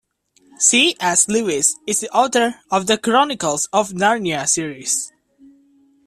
C.S. Lewis is the author of The Chronicles of Narnia series.